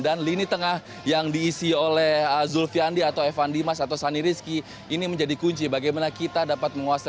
dan lini tengah yang diisi oleh zulfiandi atau evan dimas atau sani rizky ini menjadi kunci bagaimana kita dapat menguasai